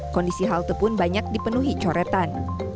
kondisi halte pun banyak dipenuhi coretan